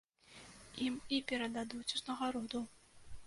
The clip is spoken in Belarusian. Ім і перададуць узнагароду.